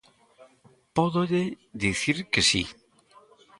Pódolle dicir que si.